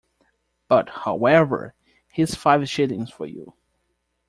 But, however, here's five shillings for you.